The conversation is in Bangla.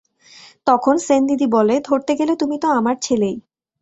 তখন সেনদিদি বলে, ধরতে গেলে তুমি তো আমার ছেলেই।